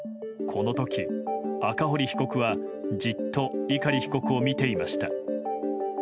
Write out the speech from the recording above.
この時、赤堀被告はじっと碇被告を見ていました。